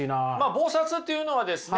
忙殺というのはですね